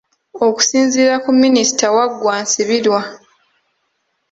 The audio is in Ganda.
Okusinziira ku Minisita Waggwa Nsibirwa.